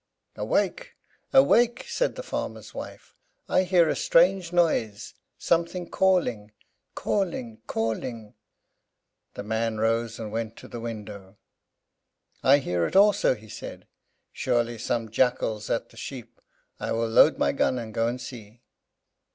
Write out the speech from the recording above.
"Awake, awake!" said the farmer's wife; "I hear a strange noise; something calling, calling, calling!" The man rose, and went to the window. "I hear it also," he said; "surely some jackal's at the sheep. I will load my gun and go and see."